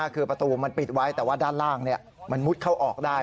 คือประตูมันปิดไว้แต่ว่าด้านล่างมันมุดเข้าออกได้